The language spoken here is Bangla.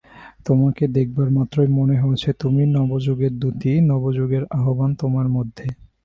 তোমাকে দেখবামাত্রই মনে হয়েছে, তুমি নবযুগের দূতী, নবযুগের আহ্বান তোমার মধ্যে!